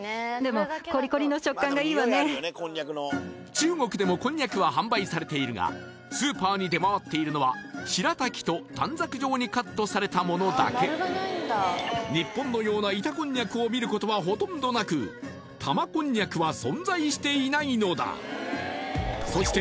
中国でもコンニャクは販売されているがスーパーに出回っているのはしらたきと短冊状にカットされたものだけ日本のような板コンニャクを見ることはほとんどなく玉コンニャクは存在していないのだそして